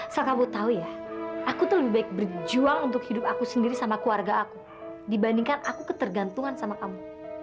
sel kamu tahu ya aku tuh lebih baik berjuang untuk hidup aku sendiri sama keluarga aku dibandingkan aku ketergantungan sama kamu